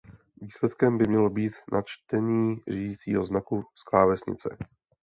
Výsledkem by mělo být načtení řídicího znaku z klávesnice.